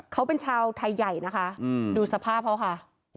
เขาเป็นชาวไทยใหญ่นะคะดูสภาพเขาค่ะ